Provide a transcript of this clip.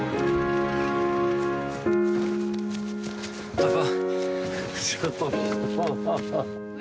パパ。